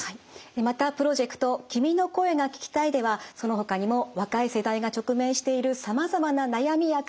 またプロジェクト「君の声が聴きたい」ではそのほかにも若い世代が直面しているさまざまな悩みや課題も特集しています。